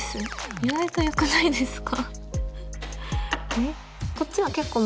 意外とよくないですか？